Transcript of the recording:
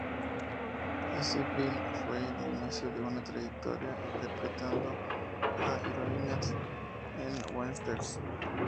Ese film fue el inicio de una trayectoria interpretando a heroínas en westerns.